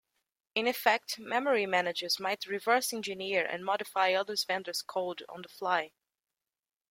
In effect, memory managers might reverse-engineer and modify other vendors' code on the fly.